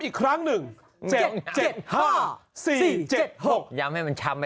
อีกครั้งหนึ่งเจ็ดเจ็ดห้าสี่เจ็ดหกย้ำให้มันช้ำไป